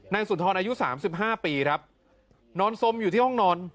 สุนทรอายุ๓๕ปีครับนอนสมอยู่ที่ห้องนอน